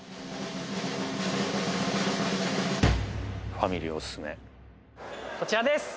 ファミリーおすすめこちらです